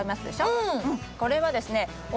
うん。